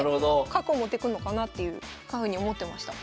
角を持ってくんのかなっていうふうに思ってました。